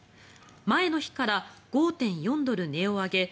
前の日から５．４ドル値を上げ